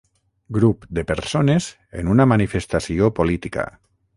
Grup de persones en una manifestació política.